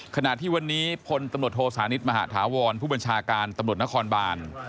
ขณะที่วันนี้พลตำรวจโทสานิทมหาธาวรผู้บัญชาการตำรวจนครบาน